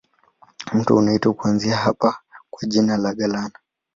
Mto unaitwa kuanzia hapa kwa jina la Galana.